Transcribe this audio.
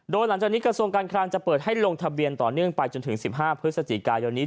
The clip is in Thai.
โดยหลังจากนี้กระทรวงการคลังจะเปิดให้ลงทะเบียนต่อเนื่องไปจนถึง๑๕พฤศจิกายนนี้